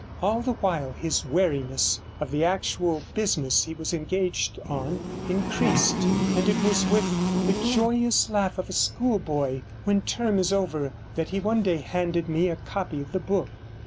All the while his wariness of the actual business he was engaged on increased, and it was with the joyous laugh of a schoolboy when term is over that he one day handed me a copy of the book.